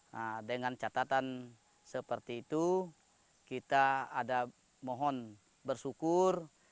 nah dengan catatan seperti itu kita ada mohon bersyukur